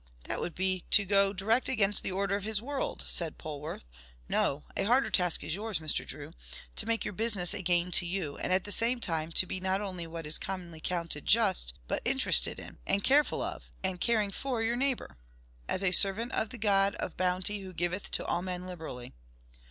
"That would be to go direct against the order of his world," said Polwarth. "No; a harder task is yours, Mr. Drew to make your business a gain to you, and at the same time to be not only what is commonly counted just, but interested in, and careful of, and caring for your neighbour, as a servant of the God of bounty who giveth to all men liberally.